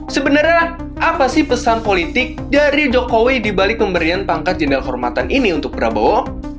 sebenarnya apa sih pesan politik dari jokowi dibalik pemberian pangkat jendela kehormatan ini untuk prabowo